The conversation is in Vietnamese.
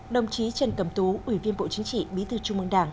đồng chí trần cẩm tú ủy viên bộ chính trị bí thư trung mương đảng